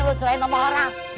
lo selain sama orang